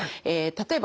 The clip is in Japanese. え